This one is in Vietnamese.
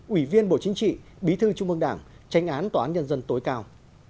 ủy viên bộ chính trị bí thư trung mương đảng tránh án tòa án nhân dân tối cao